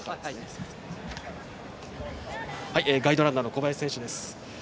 ガイドランナーの小林選手です。